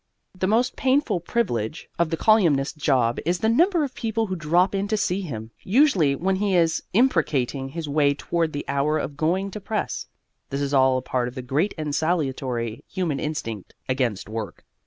The most painful privilege of the colyumist's job is the number of people who drop in to see him, usually when he is imprecating his way toward the hour of going to press. This is all a part of the great and salutary human instinct against work.